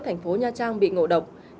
thành phố nha trang bị ngộ độc